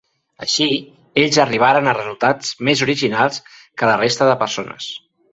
Així, ells arribarien a resultats més originals que la resta de les persones.